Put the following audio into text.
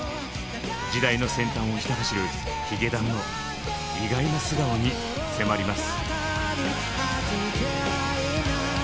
時代の先端をひた走るヒゲダンの意外な素顔に迫ります。